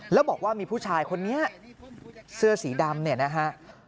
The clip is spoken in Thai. แล้วบอกว่ามีผู้ชายคนนี้เสื้อสีดำ